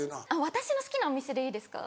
私の好きなお店でいいですか？